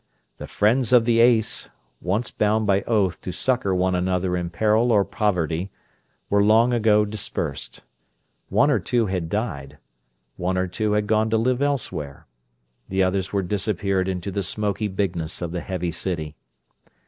"The Friends of the Ace," once bound by oath to succour one another in peril or poverty, were long ago dispersed; one or two had died; one or two had gone to live elsewhere; the others were disappeared into the smoky bigness of the heavy city.